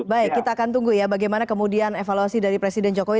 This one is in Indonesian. baik kita akan tunggu ya bagaimana kemudian evaluasi dari presiden jokowi